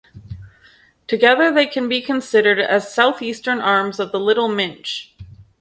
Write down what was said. Together, they can be considered as southeastern arms of the Little Minch.